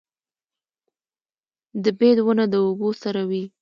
د بید ونه د اوبو سره وي